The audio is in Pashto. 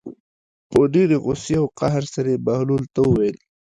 په ډېرې غوسې او قهر سره یې بهلول ته وویل.